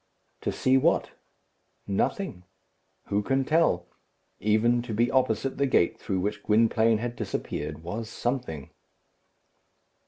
To see what? Nothing. Who can tell? Even to be opposite the gate through which Gwynplaine had disappeared was something.